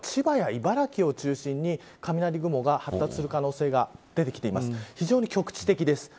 正午は今日は千葉や茨城を中心に雷雲が発達する可能性が出てきています。